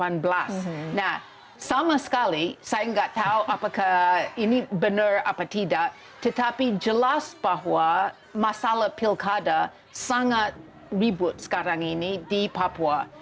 nah sama sekali saya nggak tahu apakah ini benar apa tidak tetapi jelas bahwa masalah pilkada sangat ribut sekarang ini di papua